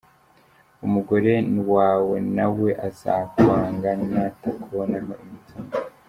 uwo mugore wawe nawe azakwanga natakubonaho imitungo.